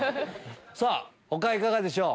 さぁ他いかがでしょう？